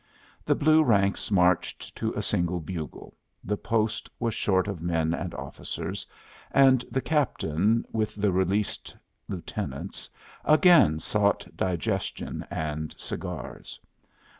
The blue ranks marched to a single bugle the post was short of men and officers and the captain, with the released lieutenants, again sought digestion and cigars.